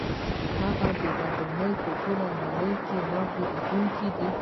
دغه ودانۍ په ټوله نړۍ کې نه هیریدونکې دي.